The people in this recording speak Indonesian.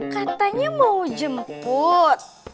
katanya mau jemput